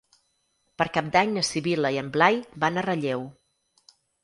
Per Cap d'Any na Sibil·la i en Blai van a Relleu.